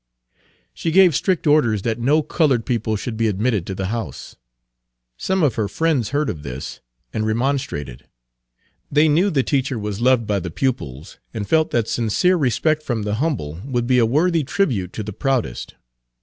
She gave strict orders that no colored people should be admitted to the house. Some of her friends heard of this, and remonstrated. They knew the teacher was loved by the pupils, and felt that sincere respect from the humble would be a worthy tribute to the proudest.